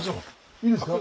いいんですか？